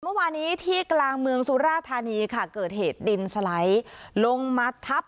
เมื่อวานี้ที่กลางเมืองสุราธานีค่ะเกิดเหตุดินสไลด์ลงมาทับ